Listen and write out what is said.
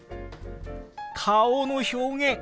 顔の表現！